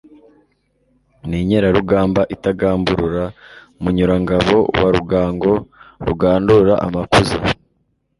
Ni inkerarugamba itagamburura..Munyurangabo wa Rugango, rugandura amakuza,